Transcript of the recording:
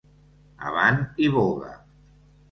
Avant i voga.